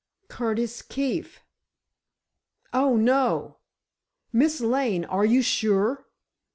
"Curtis Keefe!" "Oh, no! Miss Lane, are you sure?"